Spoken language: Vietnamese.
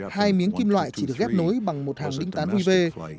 hai miếng kim loại chỉ được ghép nối bằng một hàng đinh tán ruive